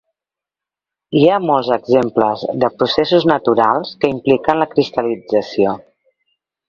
Hi ha molts exemples de processos naturals que impliquen la cristal·lització.